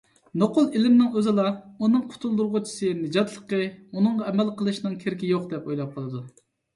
نوقۇل ئىلىمنىنڭ ئۆزىلا ئۇنىڭ قۇتۇلدۇرغۇچىسى، نىجاتلىقى، ئۇنىڭغا ئەمەل قىلىشنىڭ كېرىكى يوق، دەپ ئويلاپ قالىدۇ.